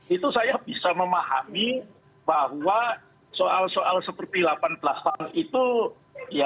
itu saya bisa memahami bahwa soal soal seperti delapan belas tahun itu ya